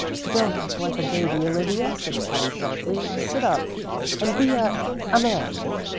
"Don't act like a baby, Olivia," said Patty, sharply; "sit up and be a a man."